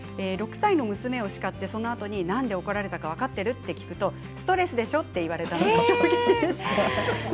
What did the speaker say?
６歳の娘を叱ってそのあとに何で怒られたか分かっている？と聞くとストレスでしょと言われて衝撃でした。